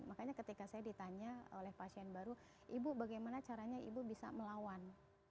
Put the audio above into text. makanya ketika saya ditanya oleh pasien baru ibu bagaimana caranya ibu bisa melawan